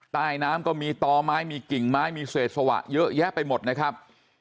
ใต้น้ำก็มีต่อไม้มีกิ่งไม้มีเศษสวะเยอะแยะไปหมดนะครับ